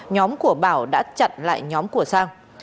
nhóm của bảo đã chặn lại nhóm của sang